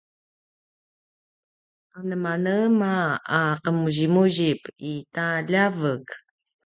anemanema a qemuziquzip i ta ljavek?